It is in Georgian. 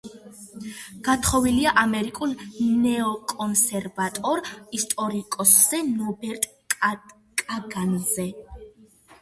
გათხოვილია ამერიკელ ნეოკონსერვატორ ისტორიკოსზე რობერტ კაგანზე.